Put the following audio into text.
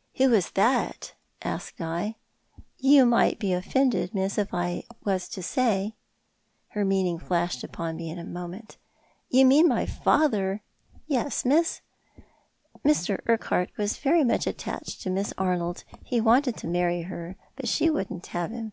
" Who was that ?" asked I. " You might be offended, miss, if I was to say." Her meaning flashed upon me in a moment. " Do you mean my father ?"" Yes, miss. Mr. Urquhart was very much attached to Miss Arnold. He wanted to marry her, but she wouldn't have him.